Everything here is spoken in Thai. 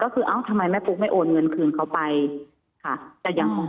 แค่๒๘๙บาท